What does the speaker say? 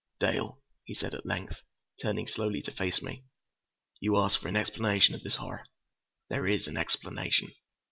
"Dale," he said at length, turning slowly to face me, "you ask for an explanation of this horror? There is an explanation.